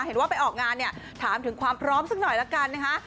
เห็นว่าไปออกงานเนี่ยถามถึงความพร้อมสักหน่อยละกันนะคะ